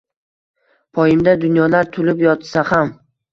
Poyimda dunyolar tulib yotsaxam